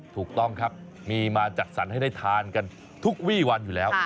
ถูกต้องครับมีมาจัดสรรให้ได้ทานกันทุกวี่วันอยู่แล้ว